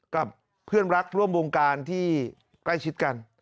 กับเพื่อนรักร่วมวงการที่ใกล้ชิดกัน